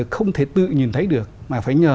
không thể tự nhìn thấy được mà phải nhờ